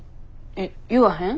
えっ言わへん？